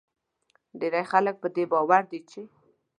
ډیری خلک په دې باور دي چې